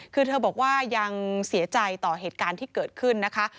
คือเธอบอกว่ายังเสียใจต่อเหตุการณ์ที่เกิดขึ้นนะคะ